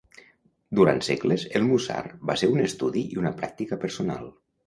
Durant segles, el Musar va ser un estudi i una pràctica personal.